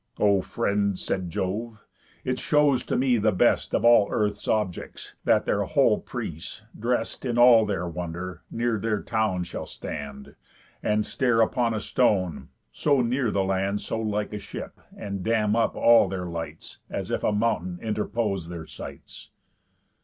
"O friend," said Jove, "it shows to me the best Of all earth's objects, that their whole prease, drest In all their wonder, near their town shall stand, And stare upon a stone, so near the land, So like a ship, and dam up all their lights, As if a mountain interpos'd their sights."